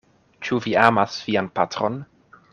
Ĉu vi amas vian patron?